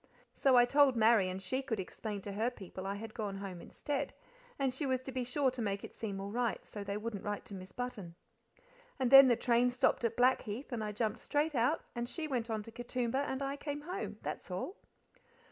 So I told Marian she could explain to her people I had gone home instead, and that she was to be sure to make it seem all right, so they wouldn't write to Miss Button. And then the train stopped at Blackheath, and I jumped straight out, and she went on to Katoomba, and I came home. That's all.